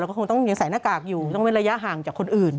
แล้วก็คงต้องยังใส่หน้ากากอยู่ต้องเว้นระยะห่างจากคนอื่น